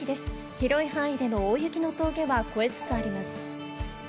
広い範囲での大雪の峠は越えつつあります。